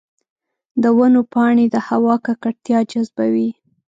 د ونو پاڼې د هوا ککړتیا جذبوي.